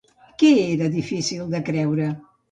Què era difícil de creure?